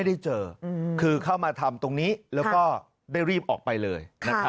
ได้เจอคือเข้ามาทำตรงนี้แล้วก็ได้รีบออกไปเลย